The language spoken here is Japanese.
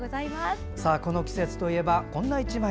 この季節といえば、この１枚。